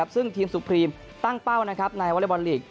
ซึ่งทีมสุพรีมตั้งเป้าในวอเล็กบอลลีก